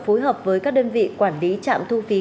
phối hợp với các đơn vị quản lý trạm thu phí